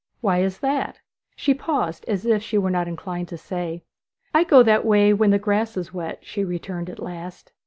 'Why is that?' She paused, as if she were not inclined to say. 'I go that way when the grass is wet,' she returned at last.